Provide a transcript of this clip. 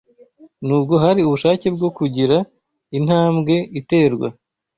nubwo hari ubushake bwo kugira intambwe iterwa